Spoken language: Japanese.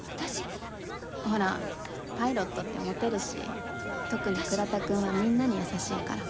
ほらパイロットってモテるし特に倉田くんはみんなに優しいから。